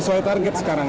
sesuai target sekarang